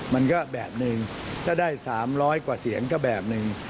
มันก็แบบหนึ่งถ้าได้๓๐๐กว่าเสียงก็แบบหนึ่ง